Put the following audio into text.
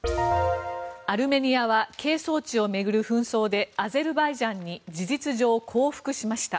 アルメニアは係争地を巡る紛争でアゼルバイジャンに事実上、降伏しました。